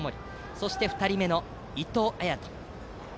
そして、２人目の伊藤彩斗。